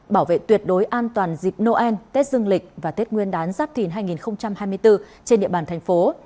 bảo vệ tuyệt đối an toàn dịp noel tết dương lịch và tết nguyên đán giáp thìn hai nghìn hai mươi bốn trên địa bàn thành phố